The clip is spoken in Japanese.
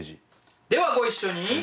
ではご一緒に。